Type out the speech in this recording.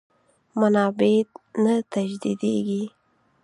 منابع نه تجدیدېږي.